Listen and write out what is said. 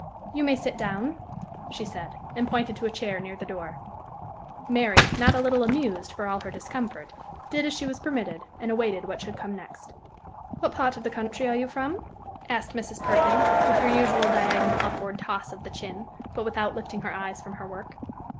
"You may sit down," she said, and pointed to a chair near the door. Mary, not a little amused, for all her discomfort, did as she was permitted, and awaited what should come next. "What part of the country are you from?" asked Mrs. Perkin, with her usual diagonal upward toss of the chin, but without lifting her eyes from her work.